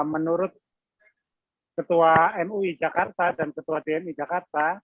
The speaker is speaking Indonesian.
menurut ketua mui jakarta dan ketua dmi jakarta